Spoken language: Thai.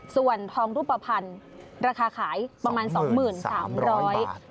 ส่วนทองรูปภัณฑ์ราคาขายประมาณ๒๓๐๐บาท